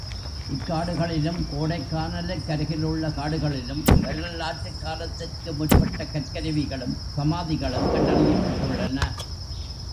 இக் காடுகளிலும், கோடைக்கானலுக் கருகிலுள்ள காடுகளிலும் வரலாற்றுக் காலத்துக்கு முற்பட்ட கற் கருவிகளும், சமாதிகளும் கண்டறியப்பட்டுள்ளன.